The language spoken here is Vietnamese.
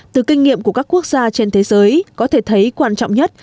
từ kinh nghiệm của các quốc gia trên thế giới có thể thấy quan trọng nhất